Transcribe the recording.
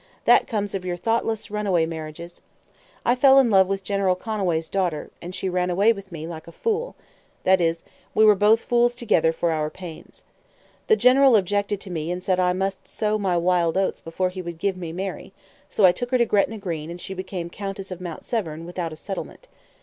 "That comes of your thoughtless runaway marriages. I fell in love with General Conway's daughter, and she ran away with me, like a fool; that is, we were both fools together for our pains. The general objected to me and said I must sow my wild oats before he would give me Mary; so I took her to Gretna Green, and she became Countess of Mount Severn, without a settlement.